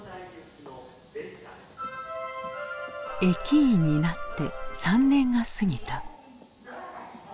駅員になって３年が過ぎた。